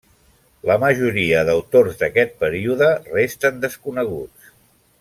La majoria d'autors d'aquest període resten desconeguts.